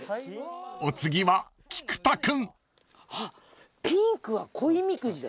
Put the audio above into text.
［お次は菊田君］